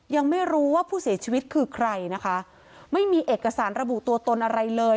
ยังไม่รู้ว่าผู้เสียชีวิตคือใครนะคะไม่มีเอกสารระบุตัวตนอะไรเลย